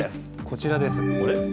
こちらです。